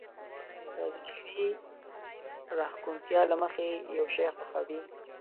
د ظاهري راښکونتيا له مخې يو شی خوښوي.